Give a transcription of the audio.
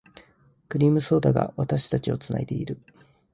クリームソーダが、私たちを繋いでいる。